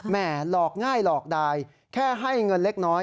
หลอกง่ายหลอกดายแค่ให้เงินเล็กน้อย